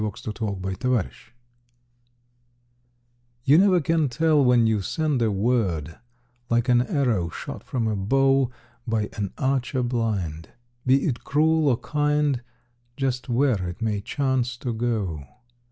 YOU NEVER CAN TELL You never can tell when you send a word, Like an arrow shot from a bow By an archer blind, be it cruel or kind, Just where it may chance to go!